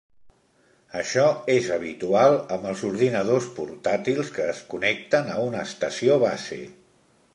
Això és habitual amb els ordinadors portàtils que es connecten a una estació base.